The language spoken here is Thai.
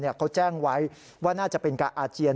เขาแจ้งไว้ว่าน่าจะเป็นการอาเจียน